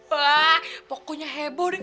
wah pokoknya heboh di